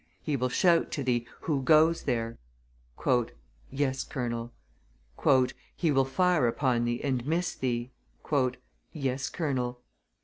"He will shout to thee, 'Who goes there?'" "Yes, colonel." "He will fire upon thee and miss thee." "Yes, colonel."